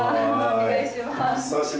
お願いします。